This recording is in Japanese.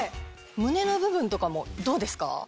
胸の部分とかもどうですか？